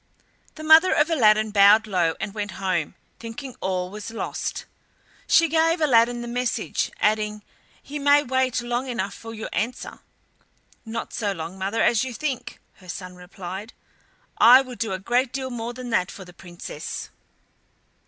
The mother of Aladdin bowed low and went home, thinking all was lost. She gave Aladdin the message adding, "He may wait long enough for your answer!" "Not so long, mother, as you think," her son replied. "I would do a great deal more than that for the Princess."